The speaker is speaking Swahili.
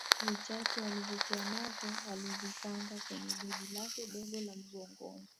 Vichache alivyokuwa navyo alivipanga kwenye begi lake dogo la mgongoni